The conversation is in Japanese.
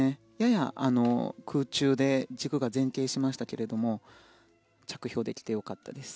やや空中で軸が前傾しましたけど着氷できて良かったです。